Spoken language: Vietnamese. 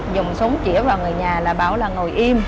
dùng súng chỉa vào người nhà là bảo là ngồi im